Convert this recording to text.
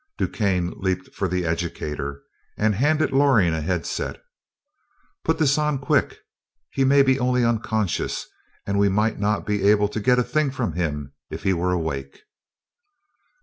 DuQuesne leaped for the educator and handed Loring a headset. "Put this on quick. He may be only unconscious, and we might not be able to get a thing from him if he were awake."